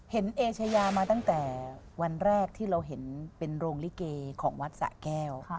เอเชยามาตั้งแต่วันแรกที่เราเห็นเป็นโรงลิเกของวัดสะแก้ว